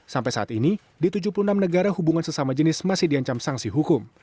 sampai saat ini di tujuh puluh enam negara hubungan sesama jenis masih diancam sanksi hukum